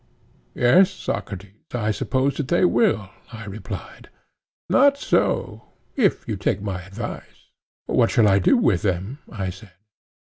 Yes, Socrates, I suppose that they will, I replied. Not so, if you will take my advice. What shall I do with them? I said.